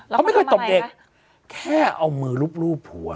เขาไม่เคยตบเด็กแค่เอามือรูปหัว